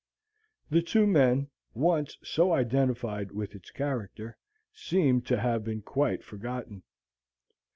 The two men, once so identified with its character, seemed to have been quite forgotten.